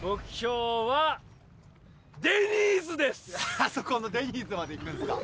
あそこのデニーズまで行くんですか。